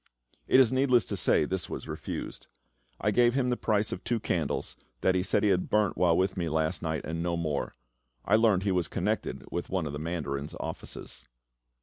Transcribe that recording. It is needless to say this was refused. I gave him the price of two candles, that he said he had burnt while with me last night and no more. I learned he was connected with one of the mandarin's offices.